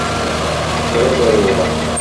Кая барырга?